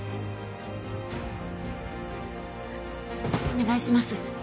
お願いします。